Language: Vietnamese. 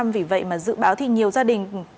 vì vậy mà dự báo thì nhiều gia đình